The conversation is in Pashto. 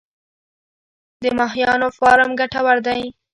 د ماهیانو فارم ګټور دی؟